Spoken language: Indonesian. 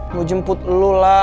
mau jemput lu lah